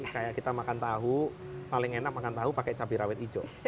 kayak kita makan tahu paling enak makan tahu pakai cabai rawit hijau